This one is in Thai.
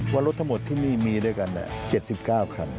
ว่ารถทั้งหมดที่นี่มีด้วยกัน๗๙คัน